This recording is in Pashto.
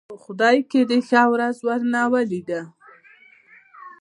خدايکه دې ښه ورځ ورنه ولېده.